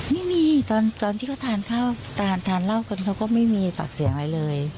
ไม่มีตอนที่เขาทานข้าวทานเหล้ากันเขาก็ไม่มีปากเสียงอะไรเลย